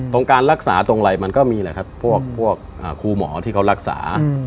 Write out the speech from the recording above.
การรักษาตรงอะไรมันก็มีแหละครับพวกครูหมอที่เขารักษา